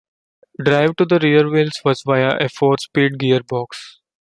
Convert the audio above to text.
Drive to the rear wheels was via a four speed gearbox.